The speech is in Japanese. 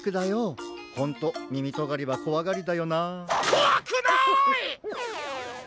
こわくない！